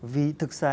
vì thực ra